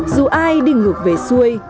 dù ai đi ngược về xuôi